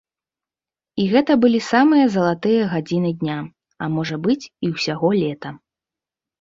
І гэта былі самыя залатыя гадзіны дня, а можа быць, і ўсяго лета.